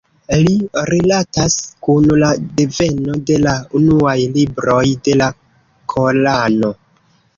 Li rilatas kun la deveno de la unuaj libroj de la Korano.